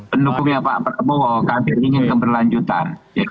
pendukungnya pak prabowo kami ingin keberlanjutan